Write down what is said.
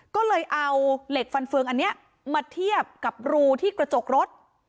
ก็เลยเอาเหล็กฟันเฟืองอันนี้มาเทียบกับรูที่กระจกรถ